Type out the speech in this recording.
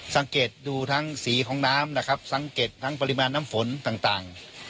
สังเกตดูทั้งสีของน้ำนะครับสังเกตทั้งปริมาณน้ำฝนต่าง